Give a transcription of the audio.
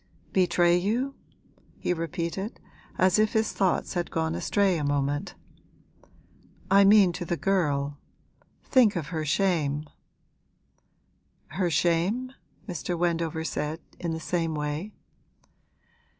'Betray you?' he repeated, as if his thoughts had gone astray a moment. 'I mean to the girl. Think of her shame!' 'Her shame?' Mr. Wendover said, in the same way.